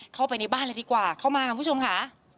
เข้าไปในบ้านเลยดีกว่าเข้ามาค่ะคุณผู้ชมค่ะ